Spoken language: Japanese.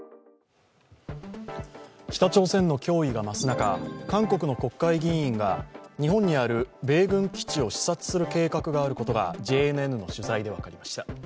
北朝鮮の脅威が増す中韓国の国会議員が日本にある米軍基地を視察する計画があることがＪＮＮの取材で分かりました。